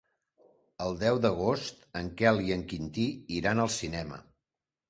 El deu d'agost en Quel i en Quintí iran al cinema.